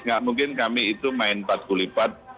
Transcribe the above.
tidak mungkin kami itu main empat kulipat